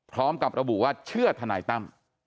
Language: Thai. พร้อมกับระบุว่าเชื่อทนายตั้ม